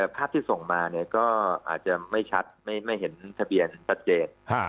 ภาพที่ส่งมาก็อาจจะไม่ชัดไม่เห็นทะเบียนชัดเจน